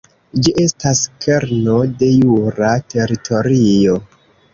Ĝi estas kerno de jura teritorio.